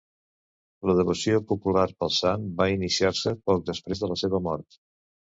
La devoció popular pel sant va iniciar-se poc després de la seva mort.